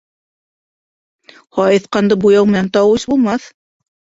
Һайыҫҡанды буяу менән тауис булмаҫ